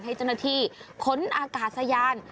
ให้เจ้าหน้าที่ขนอากาศยาน